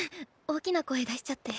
大きな声出しちゃって。